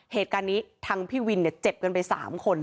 เหตุการณ์นี้ทางพี่วินเจ็บกันไป๓คน